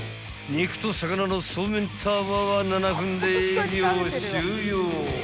肉と魚のそうめんタワーは７分で営業終了］